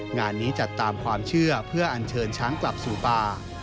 งานนี้จัดตามความเชื่อเพื่ออัญเชิญช้างกลับสู่ป่า